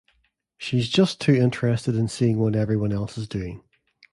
She's just too interested in seeing what everyone else is doing.